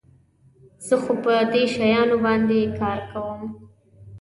زه خو په دې شیانو باندي کار کوم.